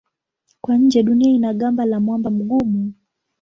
Kwa nje Dunia ina gamba la mwamba mgumu.